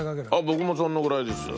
僕もそのぐらいですよ。